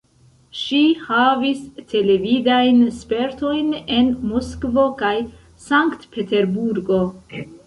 Ŝi havis televidajn spertojn en Moskvo kaj Sankt-Peterburgo.